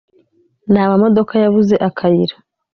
Ni amamodoka yabuze akayira: